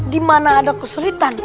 dimana ada kesulitan